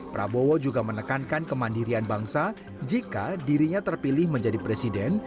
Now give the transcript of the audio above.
prabowo juga menekankan kemandirian bangsa jika dirinya terpilih menjadi presiden